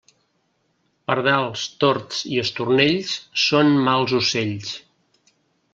Pardals, tords i estornells són mals ocells.